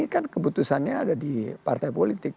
godaannya ada di partai politik